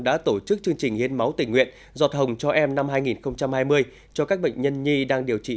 đã tổ chức chương trình hiến máu tình nguyện giọt hồng cho em năm hai nghìn hai mươi cho các bệnh nhân nhi đang điều trị